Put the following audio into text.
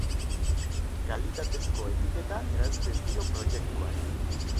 Kalitatezko etiketa eransten dio proiektuari.